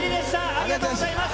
ありがとうございます。